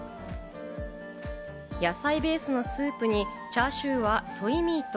野菜ベースのスープにチャーシューはソイミート。